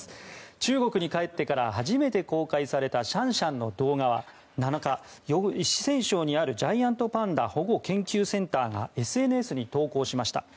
中国に帰ってから初めて公開されたシャンシャンの動画は７日、四川省にあるジャイアントパンダ保護研究センターがＳＮＳに投稿しました。